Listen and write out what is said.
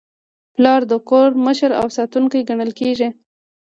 پلار د کور مشر او ساتونکی ګڼل کېږي.